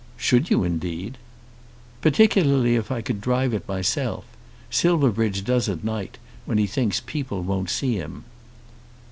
"Should you indeed?" "Particularly if I could drive it myself. Silverbridge does, at night, when he thinks people won't see him."